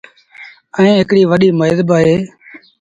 ائيٚݩ هڪڙيٚ وڏيٚ ميز با اهي۔